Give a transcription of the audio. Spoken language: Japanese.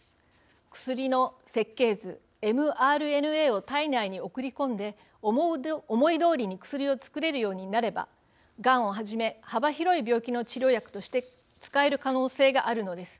薬の設計図、ｍＲＮＡを体内に送り込んで思いどおりに薬を作れるようになればがんをはじめ幅広い病気の治療薬として使える可能性があるのです。